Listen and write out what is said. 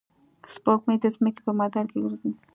سپوږمۍ د ځمکې په مدار کې ګرځي.